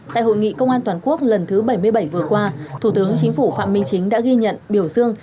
tại hội nghị công an toàn quốc lần thứ bảy mươi bảy vừa qua thủ tướng chính phủ phạm minh chính đã ghi nhận biểu dương